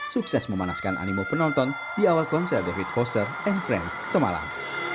sukses memanaskan animo penonton di awal konser david foster and friend semalam